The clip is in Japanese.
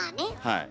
はい。